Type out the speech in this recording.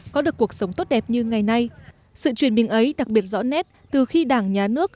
có được cuộc sống tốt đẹp như ngày nay sự truyền bình ấy đặc biệt rõ nét từ khi đảng nhà nước